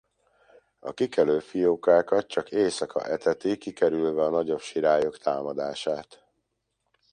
A kikelő fiókákat csak éjszaka eteti kikerülve a nagyobb sirályok támadását.